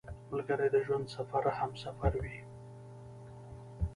ملګری د ژوند سفر همسفر وي